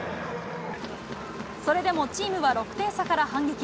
それでもチームは６点差から反撃。